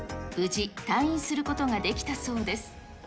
無事、退院することができたそうです。